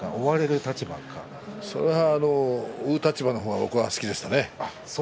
それは追う立場の方が僕が好きですね。